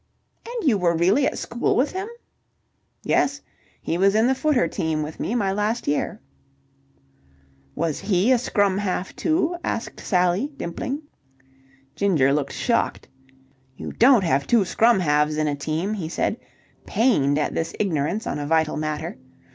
"And you were really at school with him?" "Yes. He was in the footer team with me my last year." "Was he a scrum half, too?" asked Sally, dimpling. Ginger looked shocked. "You don't have two scrum halves in a team," he said, pained at this ignorance on a vital matter.